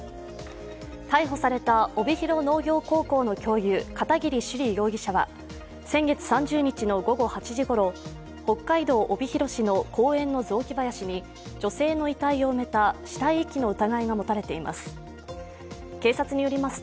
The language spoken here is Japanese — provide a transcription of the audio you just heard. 逮捕された帯広農業高校の教諭・片桐朱璃容疑者は先月３０日の午後８時ごろ北海道帯広市の公園の雑木林に女性の遺体を埋めた死体遺棄の疑いが持たれています。